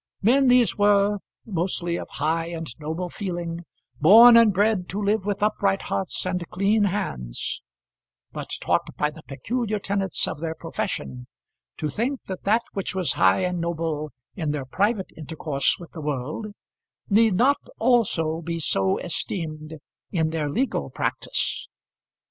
Men these were, mostly of high and noble feeling, born and bred to live with upright hearts and clean hands, but taught by the peculiar tenets of their profession to think that that which was high and noble in their private intercourse with the world need not also be so esteemed in their legal practice.